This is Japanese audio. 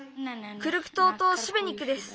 クルク島とシベニクです。